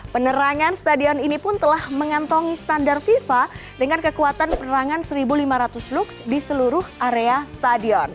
penerangan stadion ini pun telah mengantongi standar fifa dengan kekuatan penerangan satu lima ratus lux di seluruh area stadion